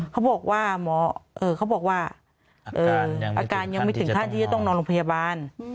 เขาบอกว่าอาการยังไม่ถึงขั้นที่จะต้องนอนโรงพยาบาล